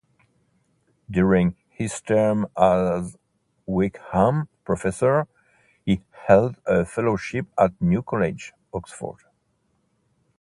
During his term as Wykeham Professor, he held a Fellowship at New College, Oxford.